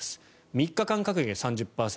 ３日間隔離が３０％。